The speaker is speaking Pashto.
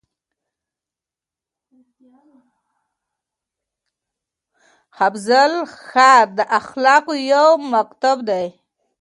فاضله ښار د اخلاقو یو مکتب دی.